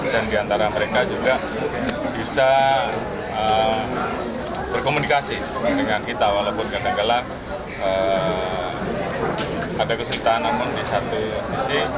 diantara mereka juga bisa berkomunikasi dengan kita walaupun kadangkala ada kesulitan namun di satu sisi